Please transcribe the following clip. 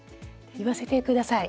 言わせて下さい。